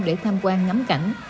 để tham quan ngắm cảnh